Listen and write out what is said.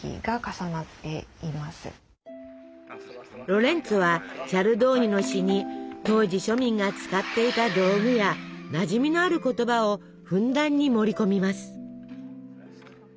ロレンツォはチャルドーニの詩に当時庶民が使っていた道具やなじみのある言葉をふんだんに盛り込みます。